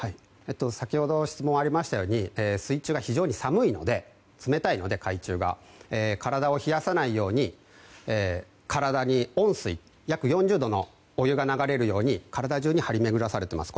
先ほど質問がありましたとおり海中が非常に冷たいので体を冷やさないように体に温水約４０度のお湯が流れるように体中に張り巡らされてます。